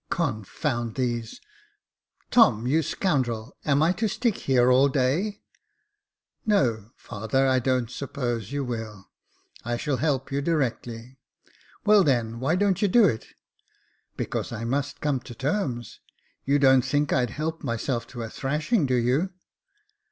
" Confound these ! Tom, you scoundrel, am I to stick here all day ?"*' No, father, I don't suppose you will. I shall help you directly." "Well, then, why don't you do it ?"" Because I must come to terms. You don't think I'd help myself to a thrashing, do you